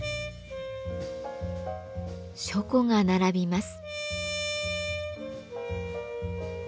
書庫が並びます。